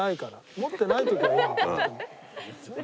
持ってない時はいい。